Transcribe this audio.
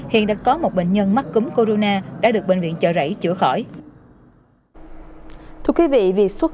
hiện đã có một bệnh nhân mắc cúm corona đã được bệnh viện chợ rẫy chữa khỏi thưa quý vị vì xuất